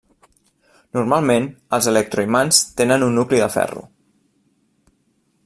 Normalment, els electroimants tenen un nucli de ferro.